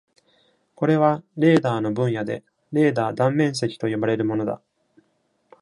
これはレーダーの分野でレーダー断面積と呼ばれるものだ。